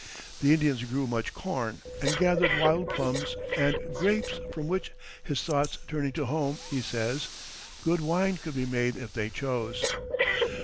The Indians grew much corn, and gathered wild plums and "grapes, from which," his thoughts turning to home, he says, "good wine could be made if they chose."